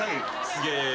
すげえー！